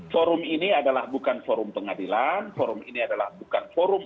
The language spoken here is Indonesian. forum ini adalah bukan forum pengadilan forum ini adalah bukan forum